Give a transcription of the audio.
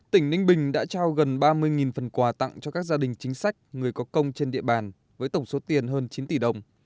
tỉnh ninh bình đã trao gần ba mươi phần quà tặng cho các gia đình chính sách người có công trên địa bàn với tổng số tiền hơn chín tỷ đồng